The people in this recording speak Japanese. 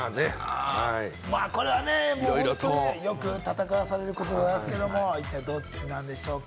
これはね、よく戦わされることでございますけれども、一体どうなんでしょうか？